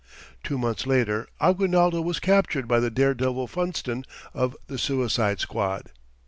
Two months later, Aguinaldo was captured by the dare devil Funston of "the Suicide Squad."